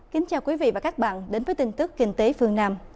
kính chào quý vị và các bạn đến với tin tức kinh tế phương nam